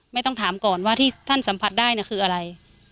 ไม่ต้องถามก่อนว่าที่ท่านสัมผัสได้คืออะไร